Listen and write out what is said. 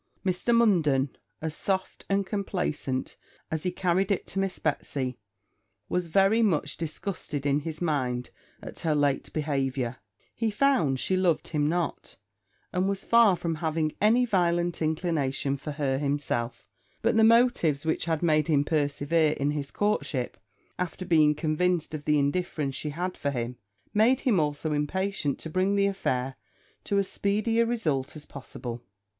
Mr. Munden, as soft and complaisant as he carried it to Miss Betsy, was very much disgusted in his mind at her late behaviour; he found she loved him not, and was far from having any violent inclination for her himself; but the motives which had made him persevere in his courtship, after being convinced of the indifference she had for him, made him also impatient to bring the affair to as speedy a result as possible.